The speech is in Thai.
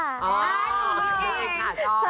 นี่ค่ะโอ้